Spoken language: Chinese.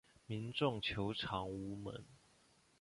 民众求偿无门